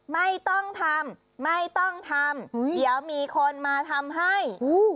ไม่ต้องทำไม่ต้องทำเดี๋ยวมีคนมาทำให้อู้